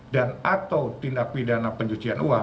dan atau tindak pidana pencucian uang